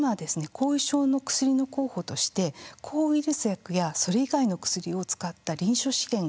後遺症の薬の候補として抗ウイルス薬やそれ以外の薬を使った臨床試験が始まっています。